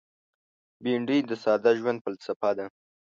بېنډۍ د ساده ژوند فلسفه ده